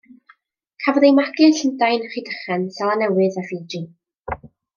Cafodd ei magu yn Llundain, Rhydychen, Seland Newydd a Fiji.